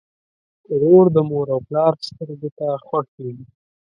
ورور د مور او پلار سترګو ته خوښ وي.